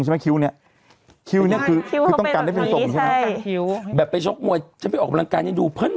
ที่พี่ไปต่อยมวยเพราะแห่งตัวแบบนี้หล่ออย่างงี้เลย